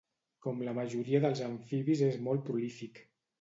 Com la majoria dels amfibis és molt prolífic.